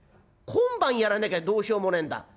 「今晩やらなきゃどうしようもねえんだ。